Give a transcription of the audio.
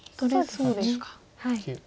そうですね。